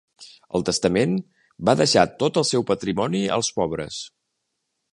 Al testament, va deixar tot el seu patrimoni als pobres.